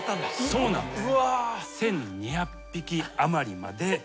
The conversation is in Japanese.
そうなんです。